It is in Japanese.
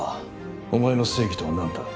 お前の正義とはなんだ？